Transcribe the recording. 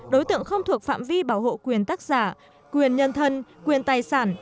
đối tượng không thuộc phạm vi bảo hộ quyền tác giả quyền nhân thân quyền tài sản